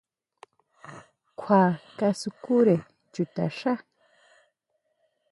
Kjua kasukúre chuta xá.